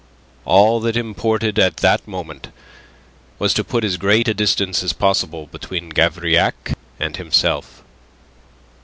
All that imported at the moment was to put as great a distance as possible between Gavrillac and himself.